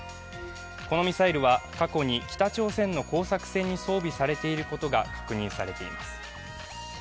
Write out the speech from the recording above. このミサイルは過去に北朝鮮の工作船に装備されていることが確認されています。